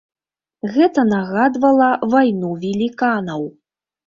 Гэта нагадвала вайну веліканаў.